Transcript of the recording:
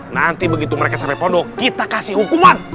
nanti begitu mereka sampai pondok kita kasih hukuman